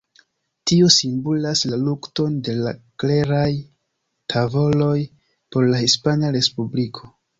Tio simbolas la lukton de la kleraj tavoloj por la Hispana Respubliko.